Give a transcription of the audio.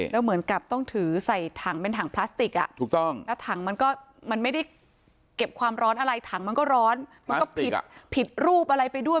แล้วเหมือนกับต้องถือใส่ถังเป็นถังพลาสติกอ่ะถูกต้องแล้วถังมันก็มันไม่ได้เก็บความร้อนอะไรถังมันก็ร้อนมันก็ผิดผิดรูปอะไรไปด้วย